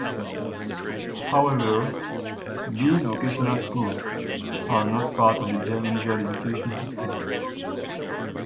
However, these vocational schools are not part of the German dual education system.